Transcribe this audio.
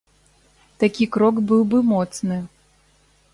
Такі крок быў бы моцны.